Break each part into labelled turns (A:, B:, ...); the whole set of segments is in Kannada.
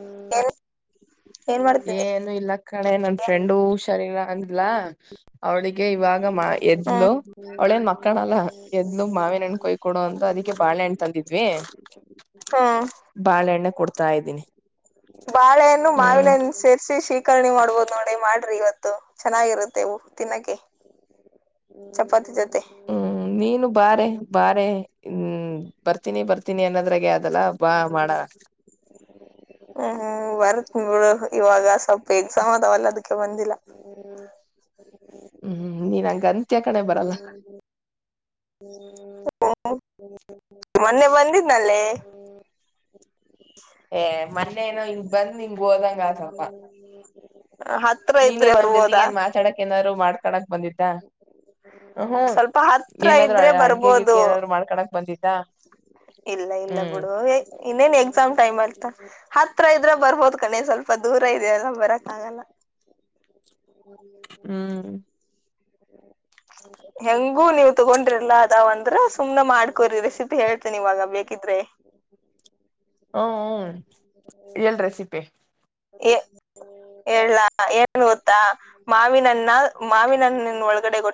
A: ಹ್ಮ
B: ಏನು ಇಲ್ಲ ಕಣೆ ನನ್ ಫ್ರೆಂಡು ಹ ಶರೀರ ಅಂದ್ಲಾ ಅವ್ಳಿಗೆ ಇವಾಗ ಮಾ ಎದ್ಲು
A: ಹ್ಮ್
B: ಒಳೇನ್ ಮಕ್ಕನಲ್ಲ ಎದ್ಲು ಮಾವಿನ ಹಣ್ಣ ಕೊಯ್ ಕೊಡು ಅಂದು ಅದಕ್ಕೆ ಬಾಳೆಹಣ್ಣು ತಂದಿದ್ವಿ
A: ಹ್ಮ್
B: ಬಾಳೆಣ್ಣೆ ಕೊಡ್ತಾ ಇದ್ದೀನಿ
A: ಬಾಳೆಯನ್ನು
B: ಹ್ಮ್
A: ಮಾವಿನಿಂದ ಸೇರಿಸಿ ಶೀಕರಣೆ ಮಾಡ್ಬಹದು ಮಾಡ್ರಿ ಇವತ್ತು ಚೆನ್ನಾಗಿರುತ್ತೆ ತಿನ್ನೋಕ್ಕೆ ಚಪಾತಿ ಜೊತೆ
B: ಹ್ಮ್ ನೀನು ಬಾರೆ ಬಾರೆ ಹ್ಮ್ ಬರ್ತೀನಿ ಬರ್ತೀನಿ ಅನ್ನದ್ರಾಗ ಅದೆಲ್ಲ ಬಾ ಮಾಡ
A: ಹ [inaudible] ಹ್ಮ್ ಬರ್ತ್ ಬಿ ಇವಾಗ ಸ್ವಲ್ಪ ಎಕ್ಸಾಮ್ ಅದಾವಲ್ಲದಕ್ಕೆ ಬಂದಿಲ್ಲ
B: ಹ್ಮ್ ನೀನ್ಂಗ ಅಂತ್ಯ ಕಣೆ ಬರಲ್ಲ
A: [unintelligible] ಮೊನ್ನೆ ಬಂದಿದ್ನಲ್ಲೇ
B: ಏ ಮೊನ್ನೆ ಏನೋ ಈಗ್ ಬಂದ್ ನಿಂಗ ಹೋದಂಗ ಆತಪ
A: ಹತ್ರ
B: ನೀನ್ನ
A: ಇದ್ರೆ
B: ನಮ್ ಜೊತೆಗೆ
A: ಬರ್ಬೋದಾ
B: ಏನ್ ಮಾತಾಡಕ್ ಏನಾದ್ರು ಮಾಡ್ಕಡಕ್ ಬಂದಿದ್ದ ಹ್ಮ
A: ಸ್ವಲ್ಪ ಹತ್ರ
B: ಏನಾದ್ರು
A: ಇದ್ರೆ
B: ಅಡ್ಗೆ ಗಿಡ್ಗೆ
A: ಬರ್ಬೋದು
B: ಏನಾದ್ರು ಮಾಡ್ಕಳಕ್ ಬಂದಿದ್ದಾ
A: ಇಲ್ಲ ಇಲ್ಲ ಬಿುಡು ಇನ್ನೇನ್ ಎಕ್ಸಾಮ್ ಟೈಮ್ ಅಲ್ಲಿ ಹತ್ರ ಇದ್ರ ಬರ್ಬೋದ್ ಕಣೆ ಸ್ವಲ್ಪ ದೂರ ಇದೆಯಲ್ಲ ಬರಕ್ ಆಗಲ್ಲ ಹ [inaudible]
B: ಹ್ಮ್ ಹ್ಮ್
A: ಹೆಂಗು ನೀವು ತಗೊಂಡ್ರಿಲ್ಲ ಅದಾವ ಅಂದ್ರ ಸುಮನೆ ಮಾಡ್ಕೊರಿ ರೆಸಿಪಿ ಹೇಳ್ತೇನಿ ಇವಾಗ ಬೇಕ ಹಿದ್ರೆ
B: ಹ್ಮ ಹ್ಮ ಎಲ್ ರೆಸಿಪಿ
A: ಹೇಳಲಾ ಏನ್ ಗೊತ್ತಾ ಮಾವಿನನ್ನ ಮಾವಿನನ್ನ ಒ [unintelligible] ಗಡೆ ಗೊ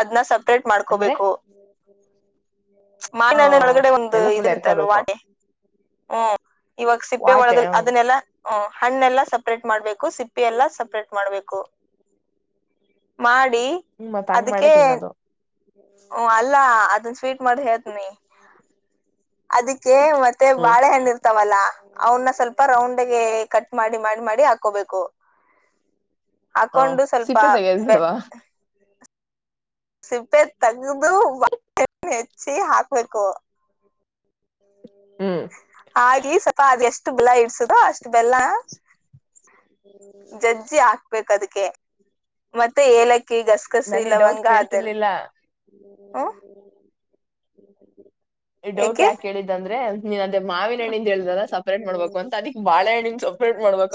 A: ಅದನ್ನ ಸೆಪ್ರೇಟ್
B: ಅಂದ್ರೆ
A: ಮಾಡ್ಕೋಬೇಕು
B: ಹ
A: ಮಾನ್ಯ ಒಳಗಡೆ ಒಂದು
B: ಎಲ್ಲ ಫುಲ್
A: ಇದಿರುತ್ತೆ ಅಲ್ವಾ
B: ಎರ್ಕೋಬೇಕು
A: ವಾಟೆ ಹ್ಮ ಇವಾಗ ಸಿಪ್ಪೆ
B: ವಾಟೆ
A: ಒಳಗಲ್
B: ಹ್ಮ್
A: ಅದನ್ನೆಲ್ಲ ಹ ಹಣ್ಣೆಲ್ಲಾ ಸಪ್ರೇಟ್ ಮಾಡ್ಬೇಕು ಸಿಪ್ಪಿ ಎಲ್ಲಾ ಸಪ್ರೇಟ್ ಮಾಡ್ಬೇಕು ಮಾಡಿ
B: ಹ್ಮ್ ಮತ್ ಹಂಗ್ ಮಾಡೇ
A: ಅದಕ್ಕೆ
B: ತಿನ್ನೋದು
A: ಹಓ ಅಲ್ಲಾ ಅದನ್ ಸ್ವೀಟ್ ಮಾಡಿ ಹೇತನಿ ಅದಕ್ಕೆ ಮತ್ತೆ
B: ಹ್ಮ್
A: ಬಾಳೆ ಹೆಣ್ಣ ಇರ್ ಅವನ್ನ ಸ್ವಲ್ಪ ರೌಂಡ್ ಕಟ್ ಮಾಡಿ ಮಾಡಿ ಮಾಡಿ ಹಾಕೋಬೇಕು
B: ಹ
A: ಹಾಕೊಂಡು ಸ್ವಲ್ಪ
B: ಸಿಪ್ಪೆ ತೆಗೆದ್
A: ಬೆ
B: ಬಿಡ್ವಾ
A: ಸಿಪ್ಪೆ ತಗ್ದ ಬ ಹೆಚ್ಚಿ ಹಾಕ್ಬೇಕು
B: ಹ್ಮ್
A: ಹಾಗೆ ಸ್ವಲ್ಪ ಅದ ಎಷ್ಟು ಬೆಲ್ಲ ಇಡ್ಸದೋ ಅಷ್ಟು ಬೆಲ್ಲ ಜಜ್ಜಿ ಹಾಕ್ಬೇಕ ಅದಕ್ಕೆ ಮತ್ತೆ ಏಲಕ್ಕ ಅಕ್ಕಿ ಗಸಗಸಿ
B: ನನ್ ಈ ಡೌಟ್
A: ಲವಂಗ ಅದೆಲ್
B: ಕೇಳ್ತಿರ್ಲಿಲ್ಲ
A: ಹಾ
B: ಈ ಡೌಟ್ ಯಾಕ ಕೇಳಿದ್ದ ಅಂದ್ರೆ ನೀನ್ ಅಮಾವಿನಣ್ಣಿಂದ ಹೇಳ್ದಲ್ಲ ಸಪ್ರೇಟ್ ಮಾಡ್ಬೇಕ ಅದಿ ಬಾಳಹಣ್ಣಿನಿಂದ ಸೊಲ್ ಮೆಡಾ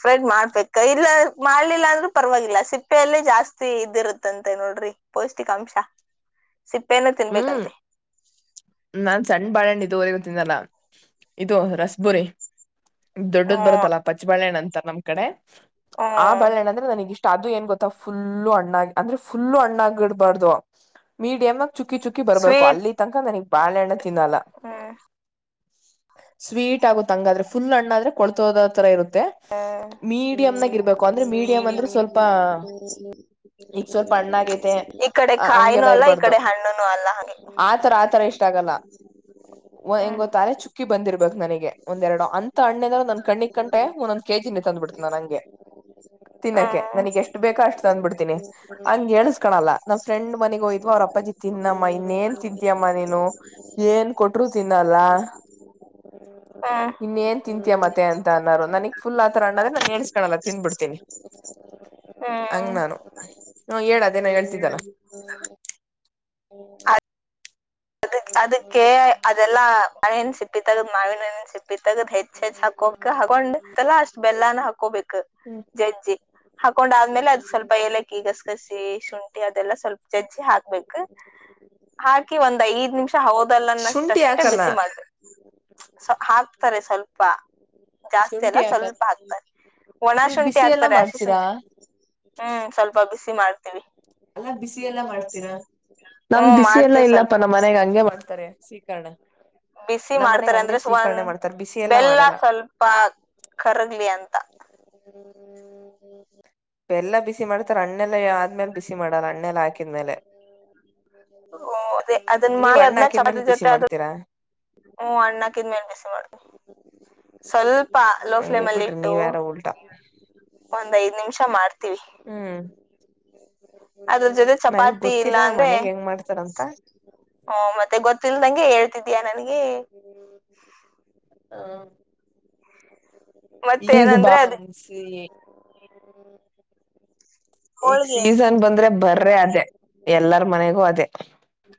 A: ಸ್ರಡ್ ಮಾಡ ಮಾಡಬೇಕ ಇಲ್ಲ ಮಾಡ್ಲಿಲ್ಲ ಅಂದ್ರೂ ಪರವಾಗಿಲ್ಲ ಸಿಪ್ಪೆಲ್ಲ ಜಾಸ್ತಿ ಇದ ಇರುತ್ತಂತೆ ನೋಡ್ರಿ ಪೌಷ್ಟಿಕ ಕಮಷ
B: ಹ್ಮ್ ನಾನ್ ಸಣ್ಣ ಬಾಳಣಿದ್ದ [unintelligible] ರಿಗ ತಿನ್ನಲ್ಲ ಇದು ರಸ್ಬುರಿ ದೊಡ್ಡದ್
A: ಹ್ಮ್
B: ಬರುತ್ತಲ್ಲಾ ಪಚ್ಚಬಾಳೆಹಣ್ಣ ಅಂತ ನಮ್ ಕಡೆ ಆ
A: ಹ್ಮ್
B: ಬಳ್ಳೆಣ್ ಅಂದ್ರೆ ನನಗಿಷ್ಟ. ಅದು ಏನ್ ಗೊತ್ತಾ ಫುಲ್ಲು ಅಣ್ಣ ಅಂದ್ರೆ ಫುಲ್ಲು ಅಣ್ಣಡಬಾರ್ದು ಮೀಡಿಯಂ ಚುಕ್ಕಿ ಚುಕ್ಕಿ ಬರ್ಬೇಕು
A: ಸ್ವೀಟ್
B: ಅಲ್ಲಿ ತನಕ ನನಗ್ ಬಾಳೆಹಣ್ಣ ತಿನ್ನಲ್ಲ. ಸ್ವೀಟ್ ಆಗುತ್ತೆ ಅಂಗಾದ್ರೆ ಫುಲ್ ಅಣ್ಣಾದ್ರೆ ಕೊಳ್ತೋದ ತರ ಇರುತ್ತೆ.
A: ಹ್ಮ್
B: ಮೀಡಿಯಂ್ನಾಗ ಇರ್ಬೇಕು ಅಂದ್ರೆ ಮೀಡಿಯಂ್ ಅಂದ್ರೆ ಸ್ವಲ್ಪ. ಈ ಸ್ವಲ್ಪ ಹಣ್ಣಾ ಆಗೈತೆ
A: ಈ ಕಡೆ ಕಾಯಿನೂ
B: ಹಂಗೆಲ್ಲ
A: ಅಲ್ಲ ಈ
B: ಇರ್ಬಾರ್ದು.
A: ಕಡೆ ಹಣ್ಣುನು ಅಲ್ಲ ಹಂಗೆ
B: ಆತರ ಆತರ ಎಷ್ಟಾಗಲ್ಲ. ಹೆಂಗೊತ್ತಾಲೆ ಚುಕ್ಕಿ ಬಂದಿರ್ಬೇಕಕ್ ನನಗೆ ಒಂದೆರಡು ಅಂತ ಅಣ್ಣಂದ ನನ್ ಕ್ಣಗ್ ಕಂಟೆ ಕೆ ಜಿನೆ ತಂದ್ಬಿಡ್ತನ ನಂಗೆ. ತಿನ್ನಕ್ಕೆ ನನಗ್ ಎಷ್ಟು ಬೇಕಾ ಅಷ್ಟು ತಂದ್ಬಿಡ್ತೀನಿ ಅಂಗ ಹೇಳಸ್ಕಳಲ್ಲ ನಮ್ಮ ಫ್ರೆಂಡ್ ಮನೆಗ್ೋಯ್ವ ಅವ್ರ ಅಪ್ಪಜಿ ತಿನ್ನಮ್ಮ ಇನ್ನೇನ್ ತಂತಿಯಮ್ಮ ನೀನು ಏನ್ ಕೊಟ್ರು ತಿನ್ನಲ್ಲ. ಇನ್ನ ಏನ್ ತಿಂತಯ ಮತ್ತೆ ಅಂತ ಅನ್ನಾರ ನನಗ್ ಫುಲ್ ಆ ತರ ಅಣ್ಣದೆ ನಾನ್ ನೇರ್ಸ್ಕೊಳ್ಳಲ್ಲ ತಿಂದ್ಬಿಡ್ತೀನಿ.
A: ಹ್ಮ
B: ಹ ಹೇಳ ಅದೇ ನಾ ಹೇಳ್ತಿದ್ದಲ್ಲ.
A: ಕೆ ಅದೆಲ್ಲಾ ನೇನ್ ಸಿಪ್ಪಿ ತಗದ ಮಾವಿನ ನ್ ಸಿಪ್ಪಿ ತಗದ ಹೆಚ್ಚ ಹೆಚ್ಚಚ್ ಹಾಕೋಕ್ ಹಾಕೊಂಡ್ ಅಷ್ಟ್ ಬೆಲ್ಲನ ಹಾಕೋಬೇಕು.
B: ಹ್ಮ್
A: ಜಜ್ಜೀ. ಹಾಕೊಂಡ ಆದ್ಮೇಲೆ ಅದ್ ಸ್ವಲ್ಪ ಲಕ್ಕಿ ಗಸಗಸಿ ಶುಂಠಿ ಅದೆಲ್ಲ ಸ್ವಲ್ಪ ಜಜ್ಜಿ ಹಾಕ್ಬೇಕು. ಹಾಕಿ ಒಂದ ಐದ್ ನಿಮಿಷ ಹೌದಲ್ಲನ್ನಷ್ಟ
B: ಶುಂಠಿ
A: ಅಷ್ಟೇ
B: ಹಾಕಲ್ಲ
A: ಬಿಸಿ ಮಾಡರು ಸೂ ಹಾಕ್ತಾರೆ ಸ್ವಲ್ಪ. ಜಾಸ್ತಿ
B: ಶುಂಠಿ
A: ಅಲ್ಲ
B: ಹಾಕಲ್ಲ
A: ಸ್ವಲ್ಪ ಆಗ್ತಾರೆ ಒಣ
B: ನೀವ್
A: ಶುಂಠಿ
B: ಬಿಸಿ ಎಲ್ಲಾ
A: ಆಕ್ತಾರೆ ಅಶಿ
B: ಮಾಡ್ತೀರಾ
A: ಶುಂಠಿ ಹ್ಮ್ ಸ್ವಲ್ಪ ಬಿಸಿ ಮಾಡ್.
B: ಅಲ್ಲ ಬಿಸಿ ಎಲ್ಲಾ ಮಾಡ್ತೀರಾ ನಮ್
A: ಹ್ಮ್
B: ಬಿಸಿ ಎಲ್ಲಾ
A: ಮಾಡ್ತೀವಿ
B: ಇಲ್ಲಪ್ಪ
A: ಸ್ವಲ್ಪ
B: ನಮ್ಮ್ ಮನೆಗ ಹಂಗೆ ಮಾಡ್ತ ತಾರೆ ಸೀಕಣೆ.
A: ಬಿಸಿ ಮಾಡ್ತಾರೆ ಅಂದ್ರೆ ಒನ್
B: ಮಾಡ್ತಾರೆ ಬಿಸಿ ಎಲ್ಲ
A: ಬೆಲ್ಲ
B: ಮಾಡಲ್ಲ
A: ಸ್ವಲ್ಪ. ಕರಗ್ಲಿ ಅಂತ.
B: ಎಲ್ಲ ಬಿಸಿ ಮಾಡ್ತಾರ ಅಣ್ಣೆಲ್ಲ ಆದ್ಮೇಲೆ ಬಿಸಿ ಮಾಡಲ್ಲ ಅಣ್ಣೆಲ್ಲ ಹಾಕಿದ್ಮೇಲೆ.
A: ಅದ ಅದನ್ನ
B: ನೀವ್
A: ಮಾಡ
B: ಹಣ್ಣ
A: ಅದನ್ನ
B: ಹಾಕಿದ್ಮೇಲೆ
A: ಚತಿ
B: ಬಿಸಿ
A: ಜೊತೆ ಅದು
B: ಮಾಡ್ತೀರಾ
A: ಹೂ ಅಣ್ಣಾಕಿದ್ಮೇಲ್ ಬಿಸಿ ಮಾಡ್ ಸ್ವಲ್ಪ ಲೋ
B: ಹೇ
A: ಫ್ಲೇಮ್ ಅಲ್ಲಿ
B: ಬಿಡ್ರಿ
A: ಇಟ್ಟು
B: ನೀವ್ ಯಾರೋ ಉಲ್ಟಾ
A: ಒಂದ್ ಐದ್ ನಿಮಿ
B: ಹ್ಮ
A: ಅದ್ರ ಜೊತೆ ಚಪಾತಿ ಇಲ್ಲ
B: ಗೊತ್ತಿಲ್ಲ ನಮ್
A: ಅಂದ್ರೆ
B: ಮನೆಗ್ ಹೆಂಗ್ ಮಾಡ್ತಾರಂತ
A: ಹಓ ಮತ್ತೆ ಗೊತ್ತಲ್ ನಂಗೆ ಹೇಳ್ತಿದ್ದಯ ನನ್ಗೆ.
B: ಹ
A: ಮತ್ತೆ
B: ಈಗ
A: ಏನಂದ್ರೆ ಅದ
B: [unintelligible]
A: [inaudible]
B: ಈಗ
A: ಹೋಳ್ಗೆ
B: ಸೀಸನ್ ಬಂದ್ರೆ ಬರ್ರೆ ಅದೇ ಎಲ್ಲರ ಮನೆಗೂ ಅದೇ.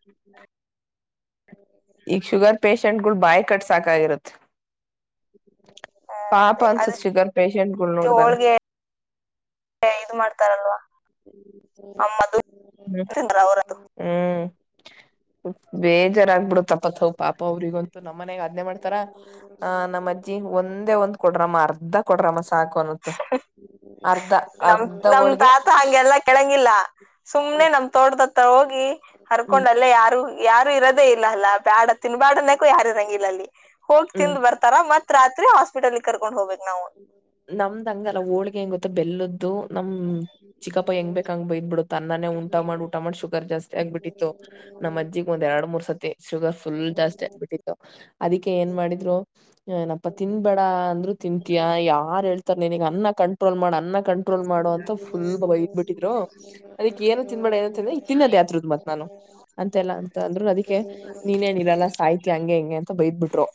A: [inaudible]
B: ಈಗ್ ಶುಗರ್ ಪೇಷಂಟ್ ಗಳು ಬಾಯ್ ಕಟ್ ಸಾಕಾಗಿರುತ್ತೆ.
A: ಹ್ಮ್ ಅದೇ
B: ಪಾಪಾ ಅನ್ಸತ್
A: ಅದಕ್ಕೆ
B: ಶುಗರ್ ಪೇಷೆಂಟ್ಗಳು ನೋಡಿದಾಗ.
A: ಇ ಮಾಡ್ತಾರಲ್ವಾ ಅಮ್ಮದು
B: ಹ್ಮ್
A: ತಿಂದ್ರ ಅವ್ರದ್ದು
B: ಹ್ಮ್ ಬೇಜಾರಾಗಬಿಡತ್ತಪ್ಪತ್. ಪಾಪ ಅವ್ರಿಗಂತು ನಮ್ಮ ಮನೆಗ ಅದ್ನೆ ಮಾಡ್ತಾರ ಅ ನಮ್ಮ್ ಅಜ್ಜಿ ಒಂದೇ ಒಂದ್ ಕೊಡ್ರಮ್ಮ ಅರ್ಧ ಕೊಡ್ರಮ್ಮ ಸಾಕು ಅನತ್ತೆ. ಅರ್ಧ
A: ನಮ್
B: ಅರ್ಧ
A: ನಮ್
B: ಹೋಳ್ಗೆ.
A: ತಾತ ಹಂಗೆಲ್ಲಾ ಕೇಳಂಗಿಲ್ಲ ಸುಮ್ನೆ
B: ಹ್ಮ್
A: ನಮ್ ತೋಟದ ಹತ್ರ ಹೋಗಿ
B: ಹ್ಮ್
A: ಹರ್ಕೊಂಡಲ್ಲ ಯಾರು ಯಾರು ಇರೋದೇ ಇಲ್ಲ ಅಲ್ಲ ಬ್ಯಾಡ ತಿನ್ಬ್ಯಾಡನಕು ಯಾರ ಇರಂಗ ಇಲ್ಲ ಅಲ್ಲಿ ಹೋಗಿ
B: ಹ್ಮ್
A: ತಿಂದ್ ಬರ್ತಾರ ಮತ್ತ್ ರಾತ್ರಿ ಹಾಸ್ಪಿಟಲ್ಗೆ ಕರ್ಕೊಂಡ್ ಹೋಗಬೇಕು ನಾವು.
B: ಎಲ್ಲ ನಮ್ ಚಿಕ್ಕಪ್ಪ ಹೆಂಗ್ ಬೇಕಂಗ ಬೈ ಇದ್ ಬಿಡುತ್ತೆ ಅನ್ನಾನೇ ಊಟಾ ಮಾಡ್ ಊಟಾ ಮಾಡಿ ಶುಗರ್ ಜಾಸ್ತಿ ಜ ಆಗ್ಬಿಟ್ಟಿತ್ತು ನಮ್ಮ ಅಜ್ಜಿಗೆ ಒಂದ ಎರಡ್ ಮೂರ್ ಸತಿ ಶುಗರ್ ಫುಲ್ ಜಾಸ್ತಿ ಆಗ್ಬಿಟ್ಟಿತ್ತು ಅದಕ್ಕೆ ಏನ್ ಮಾಡಿದ್ರುಏನಪ್ಪಾ ತಿನ್ಬೇಡ ಅಂದ್ರು ತಿಂತಯ ಯಾರ್ ಹೇಳ್ ನಾನು ಅನ್ನ ಕಂಟ್ರೋಲ್ ಮಾಡೋಣ ಅಣ ಕಂಟ್ರೋಲ್ ಮಾಡ ಅಂತ ಫುಲ್ ಬೈ್ ಬಿಟ್ಟಿದ್ರು ಅದಕ್ಕೆ ಏನ ತಿನ್ಬೇಡ ಏನಂತ್ರ ಈ ತಿನ್ನದ ಆದ ಮತ್ತೆ ನಾನು ಅಂತೆಲ್ಲಾ ಅಂತ ಅಂದ್ರರು ಅದಕ್ಕೆ ನೀನ್ನ್ ಇರಲ್ಲ ಸಾಹಿತಿ ಹಂಗೆ ಹೆಂಗೆ ಅಂತ ಬೈದ್ಬ ಬಿಟ್ಟು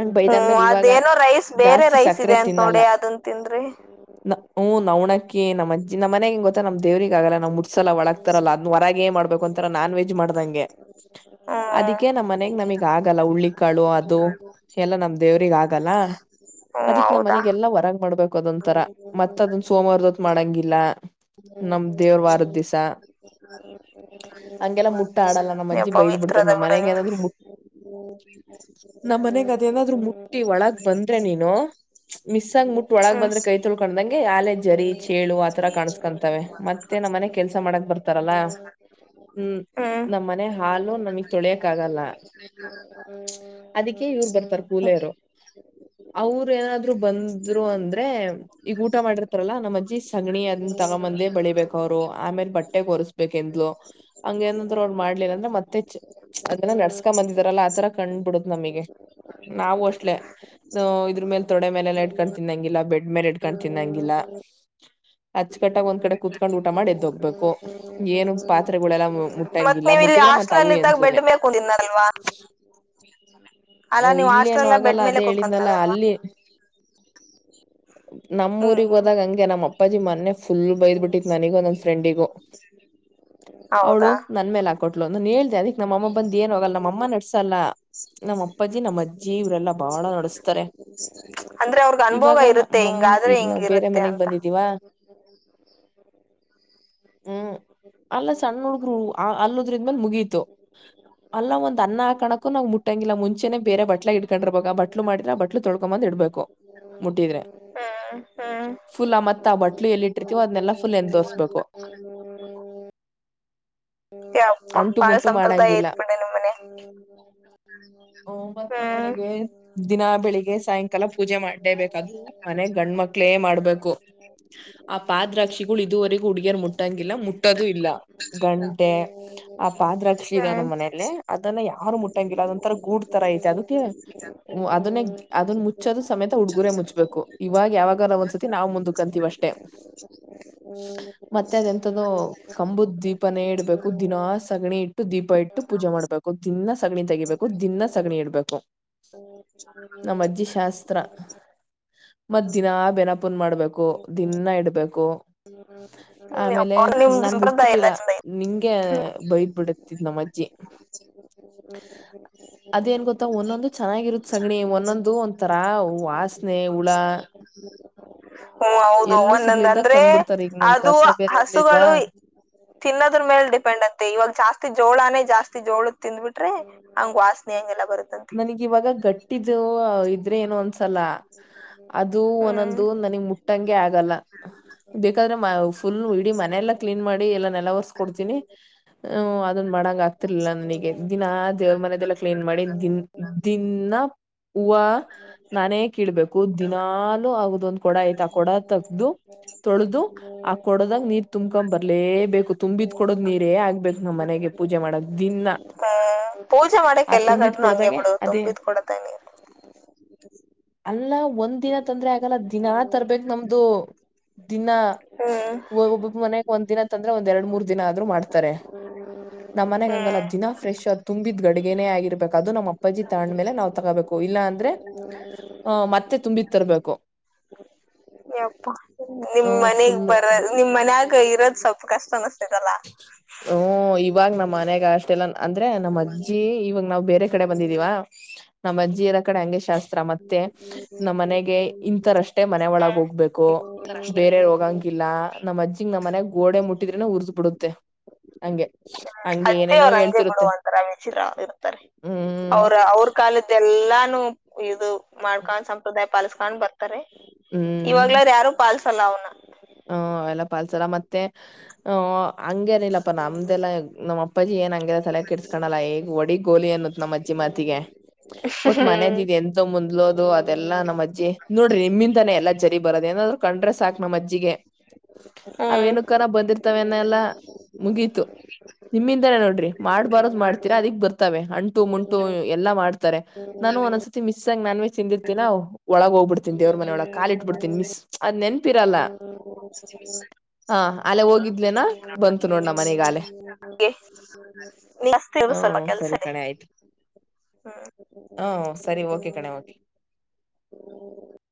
B: ಅಂಡ್
A: ಹ್ಮ್
B: ಬೈತಾದ್ಮೇಲೆ ಇವಾಗ
A: ಅದೇನೋ ರೈಸ್ ಬೇರೆ
B: ಜಾಸ್ತಿ ಸ
A: ರೈಸ್
B: ಕ್ರೆ
A: ಇದೆ ಅಂತ
B: ತಿನ್ನಲ್ಲ
A: ನೋಡಿ ಅದನ್ ತಿಂದ್ರಿ
B: ಹ ನಣ ನಮ್ಮಜ್ಜ ನ ಮನೆಗಿ ಗೊತ್ತ ನ ದೇವ್ರಗಲ್ಲ ನಾ ಮುಸಲ್ಲ ಒಳಗ್ತರಲ್ಲ ಅದ್ ಹೊರಗೆೇ ಮಾಡಬೇಕ ಒಂತರ ನಾನ್ ವೆಜ್ ಮಾಡ್ ದಂಗೆ
A: ಹ
B: ಅದಕ್ಕೆ ನಮ್ಮ ಮನೆಗ್ ನಮಗ್ ಆಗಲ್ಲ ಹುಳ್ಳಿಿಕಾಳು ಅದು ಎಲ್ಲ ನಮ್ ದೇವ್ರಗ್ ಆಗಲ್ಲ
A: ಹ್ಮ್
B: ಅದಿಕ್ ನಾ್
A: ಹೌದಾ
B: ಮನೆಗೆಲ್ಲಾ ಹೊರಗ್ ಮಾಡ್ಬೇಕು ಅದೊಂಂತರ ಮತ್ ಅದನ್ ಸೋಮವಾರದೊತ್ ಮಾಡಂಗಿಲ್ಲ ನಮ್ ದೇವ್ರ ವಾರದ್ ದಿವ್ಸ ಹಂಗೆಲ್ಲ ಮುಟ್ಟ ಆಡಲ್ಲ ನಮ್ ಅಜ್ಜಿ
A: ಹ್ಮ
B: ಬೈದ್ ಬಿಡ್ತದ್
A: ತ್ರದ
B: ನಮ್
A: ಬಿಡ
B: ಮನೆಗ್
A: ನಿ
B: ಏನಾದ್ರು ನಮ್ ಮನೆಗ್ ಅದೇನಾದ್ರು ಮುಟ್ಟಿ ಒಳಗ್ ಬಂದ್ರೆ ನೀನು ಮಿಸ್ ಆಗ ಮುಟ್ಟ ಒಳಗ ಬಂದ್ರೆ ಕೈ ತೊಳ್ಕೊಂಡಂಗೆ ಆಾಲೆ ಜರಿ ಚೇಳು ಆತರ ಕ ಕಕಂತವೆ ಮತ್ತೆ ನಮ್ಮ ಮನೆ ಕೆಲ್ಸ ಮಾಡಕ್ ಬರ್ತಾರಲ್ಲ ಹ್ಮ್ ನಮ ಮನೆ ಹಾಲು ನಮಗ್ ತೊಳಿಯಕ್ ಆಗಲ್ಲ ಅದಕ್ಕೆ ಇವ್ರು ಬರ್ತಾರ ಕೂಲಿಯರು ಅವರು ಏನಾದ್ರು ಬಂದ್ರು ಅಂದ್ರೆ ಈಗ ಊಟ ಮಾಡಿರ್ತಾರಲ್ಲಾ ನಮ್ಮ ಅಜ್ಜಿ ಸಗಣಿ ದ ತಗೊಂದೇ ಬೆಳಿಬೇಕ ಅವ್ರು ಆಮೇಲೆ ಬಟ್ಟೆ ಕೊರ್ಸ್ಬೇಕಂದ್ಲು ಹಂಗ ಏನಂದ್ರ ಅವ್ರು ಮಾಡ್ಲಿಲ್ಲ ಅಂದ್ರೆ ಮತ್ತೆ ಅದನ್ನ ನಡ್ಸ್ಕಾ ಬಂದಿದಾರಲ್ಲಾ ಆತರ ಕಂಡ್ಬಿಡತ್ ನಮಗೆ ನಾವವು ಅಷ್ಟಲೇ ಇದ್ರ ಮೇಲ್ ತೊಡೆ ಮೇಲೆಲ್ಲ ಇಟ್ಡ್ಕೊಂಡು ತಿಂದನ್ನಂಗಿಲ್ಲ ಬೆಡ್ ಮೇಲೆ ಇಡ್ಕೊಂಡು ತಿನ್ನಂಗಿಲ್ಲ ಅಚ್ಚಕಟ್ಟಾಗಿ ಒಂದ್ ಕಡೆ ಕುೂತ್ಕೊಂಡ್ ಊಟ ಮಾಡಿ ಎದ್ದೋಗಬೇಕು ಏನು ಪಾತ್ರೆಗಳೆಲ್ಲಾ ಮುಟ್ಟಂಗಿಲ್ಲ ಮುಟ್ಟಿದ
A: ಹಾಸ್ಟ್ಲಲ್ಲಿ ಇದ್ದಾಗ ಬೆಡ್ ಬೇಕುಂದಲ್ವಾ
B: ಹ ಇಲ್ಲೇಏನು ಆಾಗಲ್ಲ ಅದೇ ಹೇಳಿದಲ್ಲ
A: ಕುತ್ಕೊಂತನದಲ್ವಾ
B: ಅಲ್ಲಿ ನಮ್ಮ ಊರಿರಿಗೆ
A: ಹ್ಮ್
B: ಹೋದಾಗ ಹಂಗೆ ನಮ್ಮ್ ಅಪ್ಪಾಜಿ ಮೊನ್ನೆ ಫುಲ್ ಬೈದ್ ಬಿಟ್ಟಿತ್ ನನಿಗೋ ನನ್ನ ಫ್ರೆಂಡಿಗೋ ಅವಳು
A: ಹೌದಾ
B: ನನ್ ಮೇಲೆ ಹಾಕೊಟ್ಲು ನಾನು ಹೇಳ್ದ ಅದಿಕ್ ನಮ್ಮಮ್ಮ ಬಂದ ಏನ್ ಹೋಗಲ್ಲ ನಮ್ಮಮ್ಮ ನಡ್ಸಲ್ಲ. ನಮ್ಮ್ ಅಪ್ಪಾಜಜಿ ನಮ್ಮ್ ಅಜ್ಜಿ ಇವ್ರೆಲ್ಲಾ ಬಾಳ ನಡೆಸ್ತಾರೆ
A: ಅಂದ್ರೆ ಅವ್ರಗ್ ಅನುಭವ ಇರುತ್ತೆ ಹಿಂಗಾದ್ರೆ
B: ಈಗ ನಾವ್ ಬೇರೆ
A: ಹಿಂಗಿರುತ್ತೆ
B: ಮನೆಗ್
A: ಅಂತ
B: ಬಂದಿದೀವಾ ಹ್ಮ್
A: ಹ್ಮ
B: ಅಲ್ಲ ಸಣ್ಣ ಹುಡುಗ್ರು ಅಲ್ಲದ್ರಿಂದ್ಮೇಲ್ ಮುಗೀತು ಅಲ್ಲ ಒಂದ ಅನ್ನಕಣಕೂ ನಾವ್ ಮುಟ್ಟಂಗಿಲ್ಲಾ ಮುಂಚೆ ಬೇರೆ ಬಟ್ಲ ಇಡ್ಕೊಂಡಿರ್ಬಾಗ ಬಟ್ಲು ಮಾಡಿದ್ರೆ ಬಟ್ಲು ತೊಳ್ಕೊಂಬಂದ್ ಇಡ್ಬೇಕು ಮುಟ್ಟಿದ್ರೆ ಫುಲ್ ಮತ್ತ ಆ ಬಟ್ಲು ಎಲ್ಲಿ ಇಟ್ಟಿರ್ತೀವೋ ಅದನ್ನೆಲ್ಲಾ ಫುಲ್ ಎಂದೋರ್ಸ್ಬೇಕು
A: ಹ್ಮ ಯಪ್ಪ
B: ಅಂಟು
A: ಬಾಳ
B: ಮುಂಟು
A: ಸಂಪ್ರದಾಯ
B: ಮಾಡಂಗಿಲ್ಲ
A: ರ್ಪಣ ನಮ್ಮನೆ
B: ಮತ್ತ
A: ಹ್ಮ
B: ಮನೆಗೆ ದಿನಾ ಬೆಳಿಗ್ ಸಾಯಂಕಾಲ ಪೂಜೆ ಮಾಡ್ದೇಬೇಕಾದ್ರ ಮನೆ ಗಂಡ ಮಕ್ಳೇ ಮಾಡ್ಬೇಕು. ಆ ಪಾದ್ರಾಕ್ಷಿಗಳು ಇದುವರೆಗೂ ಹುಡ್ಗಿಯರ್ ಮುಟ್ಟಂಗಿಲ್ಲ ಮುಟ್ಟದು ಇಲ್ಲ ಗಂ ಆ ಪಾದ್ರಾಕ್ಷಿ ಇದಾವ
A: ಹ್ಮ್
B: ನಮ್ಮ್ ಮನೇೆಯಲ್ಲಿ ಅದನ್ನ ಯಾರು ಮುಟ್ಟಂಗಿಲ್ಲ ಅದೊಂಂತರ ಗೂಡ್. ತರ ಐತೆ ಅದಕ್ಕೆ
A: ಹ್ಮ್ [unintelligible]
B: ಅದನ್ನೇ ಅದನ್ನ ಮುಚ್ಚದು ಸಮೇತ ಉುಡುಗುರ ಮುಚ್ಚಬೇಕು ಇವಾಗ ಯಾವಾಗಲ ಒಂದ್ಸತಿ ನಾವ್ ಮುಂದ ಕಂತೀವಷ್ಟ ಮತ್ತೆ ಅದ ಎಂತ್ದು ಕಂಬುದ ದ್ವೀಪನ ದಿನಾ ಸಗಣಿ ಇಟ್ಟು ದೀಪ ಇಟ್ಟು ಪೂಜೆ ಮಾಡ್ಬೇಕು ದಿನ ಸಗಣಿ ತೆಗಿಬೇಕು ದಿನ ಸಗಣಿ ಇಡ್ಬೇಕು ನಮ್ಮ ಅಜ್ಜಿ ಶಾಸ್ತ್ರ
A: [unintelligible]
B: ಮತ್ ದಿನಾ ಬೆೆನಪುನ್ ಮಾಡ್ಬೇಕು ದಿನಾ ಇಡ್ಬೇಕು
A: ಹ್ಮ್
B: ಆಮೇಲೆ
A: ಯಪ್ಪ ನಿಮ್ದು
B: ನಾನ್
A: ಸಂಪ್ರದಾಯ ಎಲ್ಲ
B: ಮುಡ್ತಿರ್ಲಿಲ್ಲ
A: ಚಂದ ಐತಿ
B: ನಿಂಗೆ ಬೈದ ಬಿಡತಿದ್ ನಮ್ಮತ್ತೆ. ಜಿ
A: ಹ್ಮ್ಮ
B: ಅದೇನ್ ಗೊತ್ತಾ ಒಂದೊಂದು ಚೆನ್ನಾಗಿರುತ್ತ ಸಗಣಿ ಒಂದೊಂದು ಒಂಥರಾ ವಾಸನೆ ಹುಳ
A: ಹ್ಮ ಹೌದು
B: ಎಲ್ಲೂ
A: ಒಂದೊಂದ
B: ಸಿಗ್ಲಿಲ್ದಾಗ
A: ಅಂದ್ರೆ
B: ತಂದ್ಬಿಡ್ತಾರ ಈಗ ನಮ್ದು
A: ಅದು
B: ಹಸ ಬೇರೆ
A: ಹಸುಗಳು
B: ಇರ್ಲಿಲ್ವಾ
A: ತಿನ್ನದ್ರ ಮೇಲ್ ಡಿಪೆಂಡ್ ಅಂತೆ ಇವಾಗ ಜಾಸ್ತಿ ಜೋಳಾನೇ ಜಾಸ್ತಿ ಜಾಸ್ತಿ ಜೋಳ ತಿದ್ ಬಿಟ್ರೆ ಹಂಗ ವಾಸನೆಂಗಲ್ಲ
B: ನನಗ ಇವಾಗ ಗಟ್ಟಿದ ಇದ್ರೆ ಏನು ಅನ್ಸಲ್ಲ ಅದು
A: ಹ್ಮ್
B: ಒಂದೊಂದು ನನಗ್ ಮುಟ್ಟಂಗೆ ಆಗಲ್ಲ ಬೇಕಾದ್ರೆ ಫುಲ್ ಇಡೀ ಮನೆ ಎಲ್ಲಾ ಕ್ಲೀನ್ ಮಾಡಿ ಎಲ್ಲ ಕೊಡ್ತೀನಿ ಹ್ ಅದನ್ ಮಾಡಂಗ ಆಗ್ತಿರ್ಲಿಲ್ಲ ನನಗೆ ದಿನಾ ದೇವ್ರ ಮನೆದೆಲ್ಲ ಕ್ಲೀನ್ ಮಾಡಿ ದಿನ ಹೂವ ನಾನೇ ಕಡ್ಬೇಕು ದಿನಲು ಆಗ ಒಂದು ಕೊಡ ಯ್ತ ಆ ಕೊಡ ತಗ್ದು ತೊಳೆದು ಆ ಕೊಡದಾಗ ನೀರ್ ತುಂಕೊಂಡು ಬರ್ಲೇಬೇಕು ತುಂಬಿದ್ ಕೊಡದ್ ನೀರೇ ಆಗ್ಬೇಕು ನಮ್ಮ ಮನೆಗೆ ಪೂಜೆ ಮಾಡಕ್ ದಿನ
A: ಹ್ಮ್ ಪೂಜೆ ಮಾಡಕ್
B: ಆ
A: ಎಲ್ಲಾ
B: ತುಂಬಿದ
A: ಕಡೆನು ಹಂಗೆ
B: ಕೊಡದಾಗ
A: ಬಿಡು
B: ಅದೇ
A: ತುಂಬಿದ್ ಕೊಡತಾನೆ
B: ಅಲ್ಲ ಒಂದ್ ದಿನ ತಂದ್ರೆ ಆಗಲ್ಲ ದಿನಾ ತರ್ಬೇಕೇಕ್ ನಮ್ದು ದಿನ
A: ಹ್ಮ್
B: ಒಬ್ಬೊಬ್ ಮನಯಾಗ ಒಂದ್ ದಿನತ್ಂದ್ರೆ ಒಂದ್ ಎರಡ್ ಮೂರ್ ದಿನ ಆದ್ರು ಮಾಡ್ತಾರೆ ನಮ್ಮ್ನೆಗ್ ಹಂಗಲ್ಲ
A: ಹ್ಮ್
B: ದಿನ ಫ್ರೆಶ್ ಅ್ ತುಂಬಿದ್ ಗಡಿಗೇ ಆಗಿರ್ಬೇಕು ಅದು ನಮ್ಮ್ ಅಪ್ಪಜಿ ತಾಂಡ್ಮೇಲೆ ನಾವ್ ತಗೋಬೇಕು ಇಲ್ಲಾ ಅಂದ್ರೆ ಅ ಮತ್ತೆ ತುಂಬಿ
A: ಯಪ್ಪ ನಿಮ್ಮ್
B: ಹ್ಮ
A: ಮನೆಗ್
B: ಫುಲ್ಲು
A: ಬರ ನಿ ಮ ನಾಗ ಇರ ಸಪ್ಪ ಕಷ್ಟತ ನಸ್ತೆ ತಲ್ಲ
B: ಹ್ಮ್ ಇವಾಗ ನಮ್ ಮನ್ಯಾಗ ಅಷ್ಟೆಲ್ಲ ಅಂದ್ರೆ ನಮ್ಮ್ ಅಜ್ಜಿ ಇವಾಗ ನಾವವು ಬೇರೆ ಕಡೆ ಬಂದಿದೀವ ನಮ್ ಅಜ್ಜಿ ಇರ ಕಡೆ ಹಂಗೆ ಶಾಸ್ತಿ ಮತ್ತೆ ನಮ್ಮ ಮನೆಗೆ ಇಂತರಷ್ಟೇ ಮನೆ ಒಳಗ ಹೋಗ್ಬೇಕು ಬೇರೆ ರೋಗಂಗ ಇಲ್ಲ ನಮ್ಮ ಅಜ್ಜಿಗ್ ನಮ್ಮ್ನ್ಯಾಗ ಗೋಡೆ ಮುಟ್ಟಿದ್ರೆನ ಊರುಸ್ ಬಿಡುತ್ತೆ ಹಂಗೆ ಹಂಗೆ
A: ಅಜ್ಜಿ
B: ಏನೇನೋ
A: ಅವ್ರ ಅಂಗೆ ಬಿಡು
B: ಹೇಳ್ತಿರುತ್ತೆ
A: ಒಂತರ ವಿಚಿತ್ರ ಇರ್ತಾರೆ
B: ಹ್ಮ್
A: ಅವ್ರ ಅವ್ರ ಕಾಲದ್ದ ಎಲ್ಲಾ ಇದು ಮಾಡ್ಕೊಂಡ್ ಸಂಪ್ರದಾಯ ಪಾಲಸ್ಕೊಂಡ್ ಬರ್ತಾರೆ ಇವಾಗ್ಲಾದಾರ ಯಾರು ಪಾಲಸ ಚಲಾವನಾ
B: ಹ್ಮ ಅವಲ್ಲ ಪಾಲ್ಸರ ಮತ್ತೆ ಹ ಹಂಗಗೆೇನಿಲ್ಲಪ್ಪಾ ನಮ್ದೆಲ್ಲಾ ನಮ್ಮ ಅಪ್ಪಾಜಿ ಏನ್ ಹಂಗೆಲ್ಲ ತಲೆಹಿ ಇಟ್ಸ್ಕಲ್ಲಾ ಈಗ ಒಡಿ ಗೋಲಿ ಅನ್ನು ನಮ್ಮ ಅಜ್ಜಿ ಮಾತಿಗೆ ಒಟ್
A: ಹ್ಮ್
B: ಮನದ ಎಂತ ಮುಂದ್ಲೋದು ಅದೆಲ್ಲಾ ನಮ್ಮಜ್ಜಿ ನೋಡ ನಿಮ್ಮಿಂದ ತಾನೆ ಎಲ್ಲಾ ಜರಿ ಬರದ ಏನಾದ್ರು ಕಂಡ್ರೆ ಸಾಕಕ್ ನಮ್ಮ ಅಜ್ಜಿಗೆ
A: ಹ್ಮ್
B: ಅವೇನ ಕ ಬಂದಿರ್ತ ತವನೆಲ್ಲಾ ಮುಗೀತು ನಿಮ್ಮಿಂದಾನೇ ನೋಡ್ರಿ ಮಾಡ್ಬಾರೋದ್ ಮಾಡ್ತೀರಾ ಅದಿ ಬರ್ತ ಅಂಟು ಮುಂಟು ಎಲ್ಲಾ ಮಾಡ್ತಾರೆ ನಾನು ಒಂದ್ಸತಿ ಮಿಸ್ ನಾನ್ ವಜ್ ತಿಂದಿರ್ತಿನ ಒಳಗ ಹೋಗ್ಬಿಡ್ತಿನಿ ದೇವ್ರ ಮನ ಒಳ ಕಾಲಿಟ್ಬ ಬಿಡ್ತಿನ ಮಿಸ್ ಆದ್ ನೆನಪು ಇರಲ್ಲ
A: ಹ ಸರಿ
B: ಹಾ ಅಲ್ಲ ಹೋಗಿ
A: ನೀ ಜಸ್ತಿ ಅದು ಸ್ವಲ್ಪ ಕೆಲ್ಸನೇ [unintelligible] [inaudible]
B: ಹಾ ಸರಿ ಓಕೆ ಕಣ್ಣ